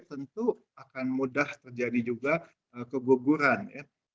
tentu akan mudah terjadi juga keguguran ya